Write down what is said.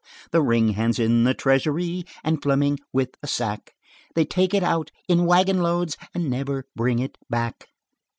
The ring's hand in the treasury And Fleming with a sack. They take it out in wagon loads And never bring it back."